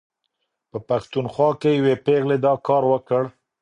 په پښتونخوا کې یوې پېغلې دا کار وکړ.